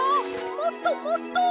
もっともっと！